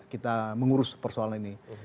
kita mengurus persoalan ini